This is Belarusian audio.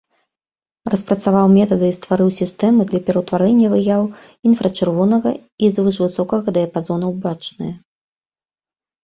Распрацаваў метады і стварыў сістэмы для пераўтварэння выяў інфрачырвонага і звышвысокага дыяпазонаў ў бачныя.